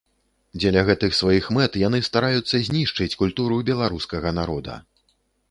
Дзеля гэтых сваіх мэт яны стараюцца знішчыць культуру беларускага народа.